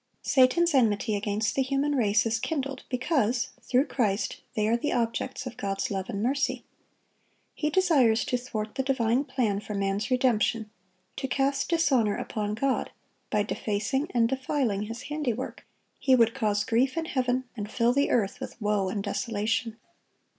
Satan's enmity against the human race is kindled, because, through Christ, they are the objects of God's love and mercy. He desires to thwart the divine plan for man's redemption, to cast dishonor upon God, by defacing and defiling His handiwork; he would cause grief in heaven, and fill the earth with woe and desolation.